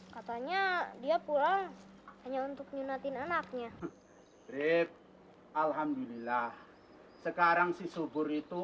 katanya dia pulang hanya untuk nyunatin anaknya rip alhamdulillah sekarang si subur itu